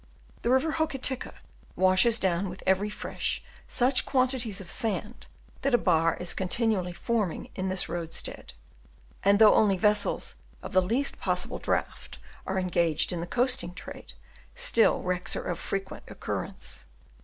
The river Hokitika washes down with every fresh such quantities of sand, that a bar is continually forming in this roadstead, and though only vessels of the least possible draught are engaged in the coasting trade, still wrecks are of frequent occurrence.